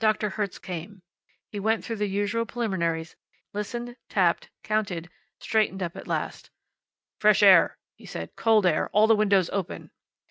Doctor Hertz came. He went through the usual preliminaries, listened, tapped, counted, straightened up at last. "Fresh air," he said. "Cold air. All the windows open."